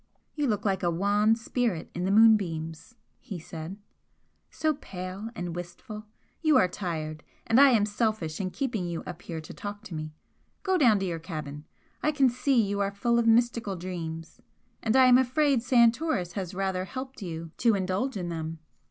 "You look like a wan spirit in the moonbeams," he said "So pale and wistful! You are tired, and I am selfish in keeping you up here to talk to me. Go down to your cabin. I can see you are full of mystical dreams, and I am afraid Santoris has rather helped you to indulge in them.